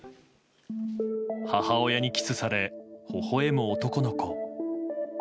母親にキスされほほ笑む男の子。